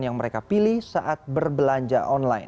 yang mereka pilih saat berbelanja online